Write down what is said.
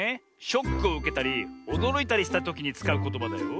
ショックをうけたりおどろいたりしたときにつかうことばだよ。